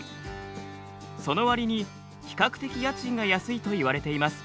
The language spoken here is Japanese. その割に比較的家賃が安いといわれています。